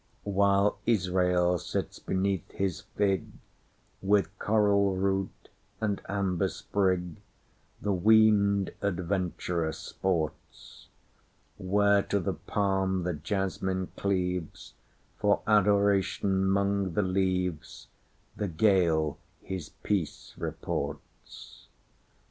While Israel sits beneath his fig, With coral root and amber sprigThe weaned adventurer sports; Where to the palm the jasmine cleaves, For Adoration 'mong the leavesThe gale his peace reports.